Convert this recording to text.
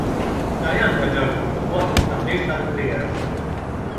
Taljan weġġa' rkopptu waqt it-taħriġ tal-bieraħ.